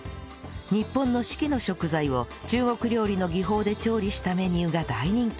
日本の四季の食材を中国料理の技法で調理したメニューが大人気